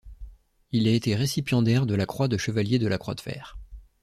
Il a été récipiendaire de la Croix de chevalier de la croix de fer.